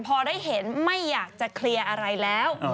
พอได้เห็นไม่อยากจะเคลียร์อะไรแล้ว